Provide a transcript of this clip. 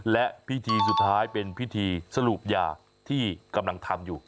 และพิธีสุดท้ายเป็นพิธีสรุปยาที่กำลังทำอยู่